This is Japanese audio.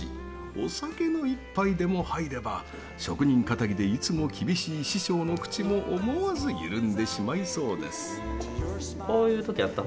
お酒の一杯でも入れば職人かたぎでいつも厳しい師匠の口も思わずゆるんでしまいそうです。